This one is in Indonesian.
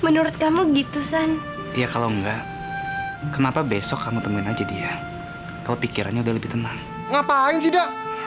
ngapain sih da